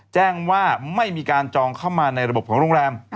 แจ้งว่าไม่มีการจองเข้ามาในระบบของโรงแรม